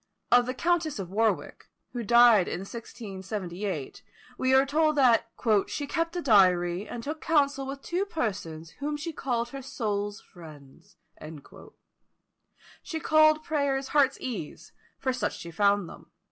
Of the Countess of Warwick, who died in 1678, we are told that "she kept a diary, and took counsel with two persons, whom she called her soul's friends." She called prayers heart's ease, for such she found them.